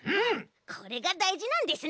これがだいじなんですね。